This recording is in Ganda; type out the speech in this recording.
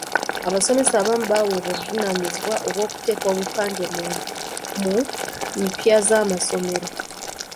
Abasomesa abamu baweebwa obuvunaanyizibwa obw’okuteeka obupande mu mpya z’amasomero.